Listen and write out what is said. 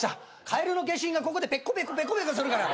カエルの化身がここでペッコペコペコペコするから。